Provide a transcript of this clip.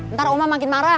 ntar oma makin marah